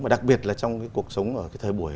đặc biệt trong cuộc sống thời buổi